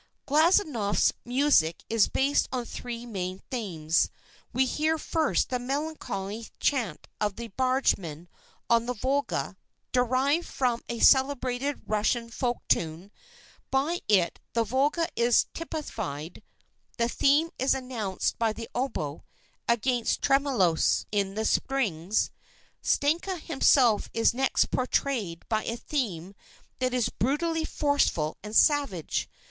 Glazounoff's music is based on three main themes. We hear first the melancholy chant of the bargemen on the Volga (derived from a celebrated Russian folk tune); by it the Volga is typified (the theme is announced by the oboe, against tremolos in the strings). Stenka himself is next portrayed by a theme that is brutally forceful and savage.